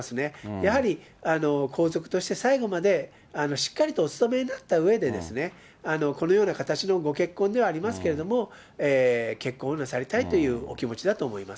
やはり皇族として最後まで、しっかりとお勤めになったうえで、このような形のご結婚ではありますけれども、結婚をなさりたいというお気持ちだと思います。